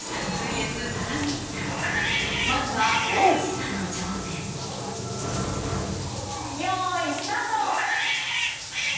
まずは大石さんの挑戦よいスタート！